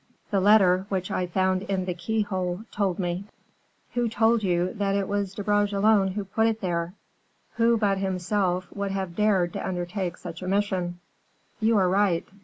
"The letter which I found in the keyhole told me." "Who told you that it was De Bragelonne who put it there?" "Who but himself would have dared to undertake such a mission?" "You are right.